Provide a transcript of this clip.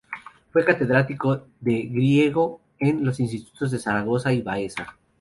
Fue catedrático de Griego en los Institutos de Zaragoza y Baeza.